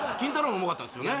もおもろかったですよね